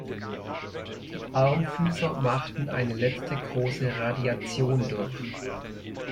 Die Armfüßer machten eine letzte große Radiation durch.